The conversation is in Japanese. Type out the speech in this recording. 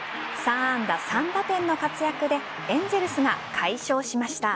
３安打３打点の活躍でエンゼルスが快勝しました。